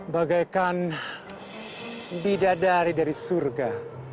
bagaikan bidadari dari surga